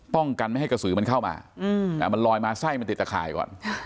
ป้องกันไม่ให้กระสือมันเข้ามามันลอยมาไส้มันติดตะข่ายก่อน